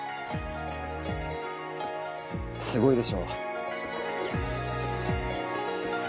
すごいでしょう。